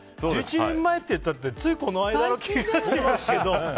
１１年前って言ったってついこの間の気がしますが。